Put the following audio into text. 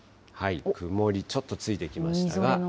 曇り、ちょっとついてきましたが。